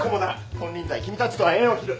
金輪際君たちとは縁を切る。